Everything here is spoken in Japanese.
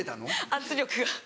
圧力が。